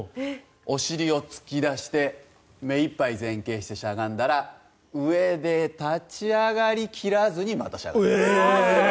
お尻を突き出して目いっぱい前傾してしゃがんだら上で立ち上がりきらずにまたしゃがむ。